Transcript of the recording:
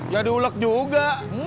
ya diulek juga